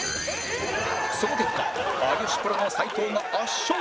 その結果有吉プロの斎藤が圧勝